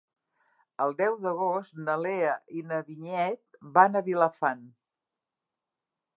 El deu d'agost na Lea i na Vinyet van a Vilafant.